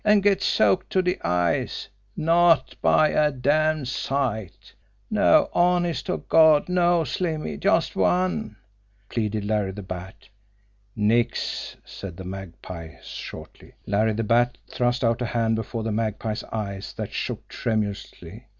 "An' get soaked to de eyes not by a damn sight!" "No! Honest to Gawd, no, Slimmy just one!" pleaded Larry the Bat. "Nix!" said the Magpie shortly. Larry the Bat thrust out a hand before the Magpie's eyes that shook tremulously.